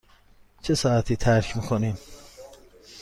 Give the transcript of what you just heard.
چه ساعتی ترک می کنیم؟